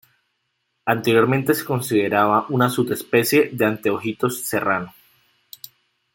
Anteriormente se consideraba una subespecie del anteojitos serrano.